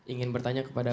ingin bertanya kepada